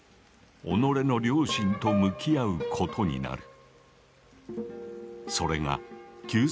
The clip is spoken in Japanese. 己の良心と向き合うことになる。